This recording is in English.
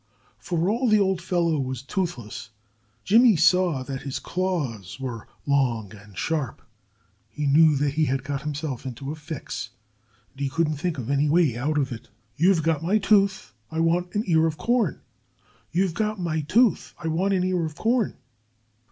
For all the old fellow was toothless, Jimmy saw that his claws were long and sharp. He knew that he had got himself into a fix. And he couldn't think of any way out of it. "You've got my tooth! I want an ear of corn! You've got my tooth! I want an ear of corn!"